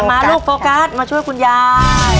มาลูกโฟกัสมาช่วยคุณยาย